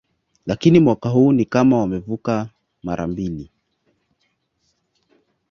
Lakini mwaka huu ni kama wamevuka mara mbili